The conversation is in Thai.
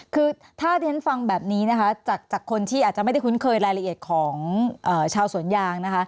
คือถ้าเรียนฟังแบบนี้นะคะจากคนที่อาจจะไม่ได้คุ้นเคยรายละเอียดของชาวสวนยางนะคะ